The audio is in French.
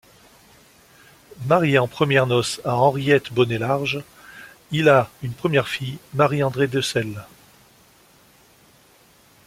Marié en première noces à Henriette Bonnet-Large il a une première fille Marie-Andrée Decelle.